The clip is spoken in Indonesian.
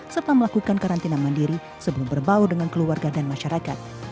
serta melakukan karantina mandiri sebelum berbau dengan keluarga dan masyarakat